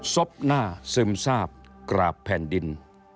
ซบหน้าซึมทราบกราบแผ่นดิน